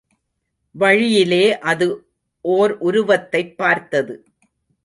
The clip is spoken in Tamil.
வழியிலே அது ஒர் உருவத்தைப் பார்த்தது.